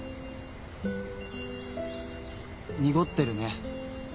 濁ってるね。